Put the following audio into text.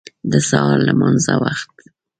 د سهار لمانځه وخت و.